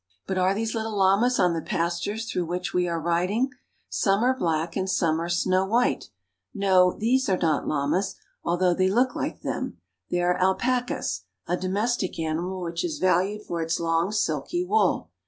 But are these little llamas on the pastures through which we are riding ? Some are black, and some are snow white. No ; those are not llamas, although they look like them. They are alpacas, a domestic animal which is valued for its long, silky wool.